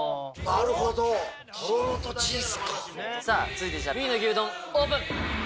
続いてＢの牛丼オープン！